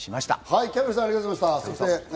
キャンベルさん、ありがとうございました。